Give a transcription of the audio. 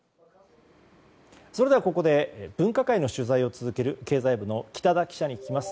それでは、ここで分科会の取材を続ける経済部の北田記者に聞きます。